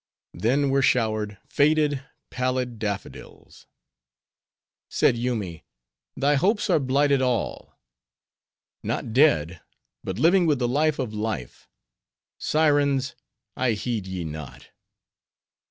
Then were showered faded, pallid daffodils. Said Yoomy, "Thy hopes are blighted all." "Not dead, but living with the life of life. Sirens! I heed ye not."